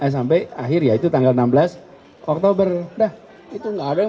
f pertimbangan kerja akademi